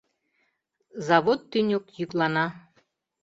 Завод тӱньык йӱклана...